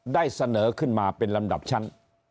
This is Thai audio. ได้เสนอขึ้นมาเป็นลำดับชั้น